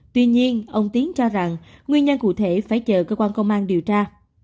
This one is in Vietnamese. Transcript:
tuy nhiên ông tiến cho rằng nguyên nhân cụ thể phải chờ cơ quan công an điều tra